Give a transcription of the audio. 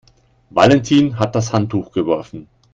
Valentin hat das Handtuch geworfen.